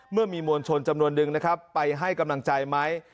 เมื่อมีมวลชนจำนวนนึงนะครับไปให้กำลังใจไหม